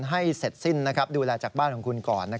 ให้เสร็จสิ้นดูแลจากบ้านของคุณก่อน